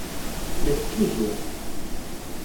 La tettuzur.